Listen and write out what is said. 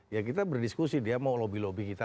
ya kita berdiskusi dia mau lobby lobby kita